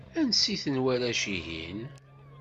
Ansi-ten warrac-ihin?